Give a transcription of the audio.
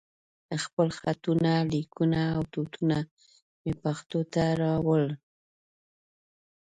خپل خطونه، ليکونه او نوټونه مې پښتو ته راواړول.